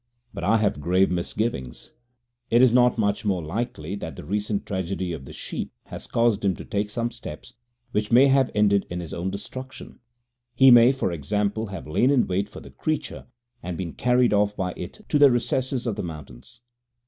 But I have grave misgivings. Is it not much more likely that the recent tragedy of the sheep has caused him to take some steps which may have ended in his own destruction? He may, for example, have lain in wait for the creature and been carried off by it into the recesses of the mountains.